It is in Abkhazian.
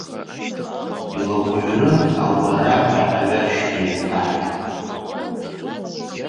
Илаҟәыҩрын, агәараҳәа аҩаршьҭра илҭаҳаит.